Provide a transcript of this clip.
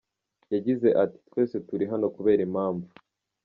Yagize ati “Twese turi hano kubera impamvu.